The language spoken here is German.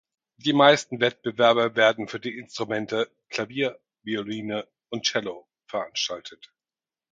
Die meisten Wettbewerbe werden für die Instrumente Klavier, Violine und Cello veranstaltet.